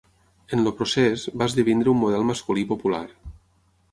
En el procés, va esdevenir un model masculí popular.